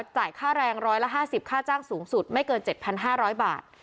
จ่ายค่าแรงร้อยละห้าสิบค่าจ้างสูงสุดไม่เกินเจ็ดพันห้าร้อยบาท